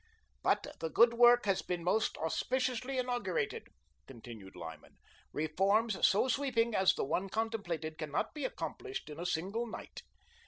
"But the good work has been most auspiciously inaugurated," continued Lyman. "Reforms so sweeping as the one contemplated cannot be accomplished in a single night.